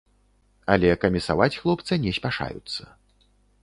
Але камісаваць хлопца не спяшаюцца.